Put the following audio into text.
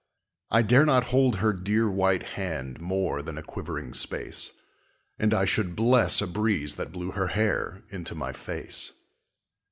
I dare not hold her dear white hand More than a quivering space, And I should bless a breeze that blew Her hair into my face.